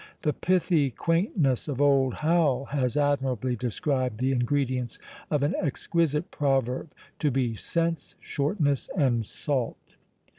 The pithy quaintness of old Howell has admirably described the ingredients of an exquisite proverb to be sense, shortness, and salt.